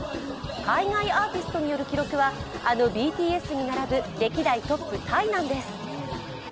海外アーティストによる記録はあのＢＴＳに並ぶ歴代トップタイなんです。